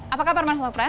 apa kabar mas nofran